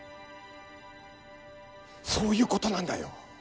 そういうことなんだよ！